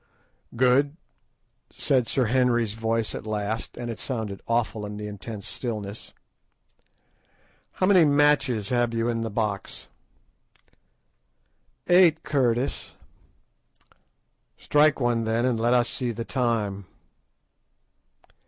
"Good," said Sir Henry's voice at last, and it sounded awful in the intense stillness, "how many matches have you in the box?" "Eight, Curtis." "Strike one and let us see the time."